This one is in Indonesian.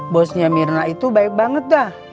bosnya mirna itu baik banget dah